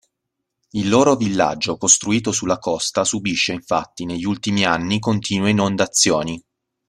Il loro villaggio costruito sulla costa subisce, infatti, negli ultimi anni continue inondazioni.